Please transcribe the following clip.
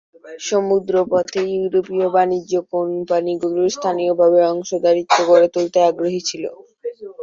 সমুদ্রপথে ইউরোপীয় বাণিজ্য কোম্পানিগুলি স্থানীয়ভাবে অংশীদারিত্ব গড়ে তুলতে আগ্রহী ছিল।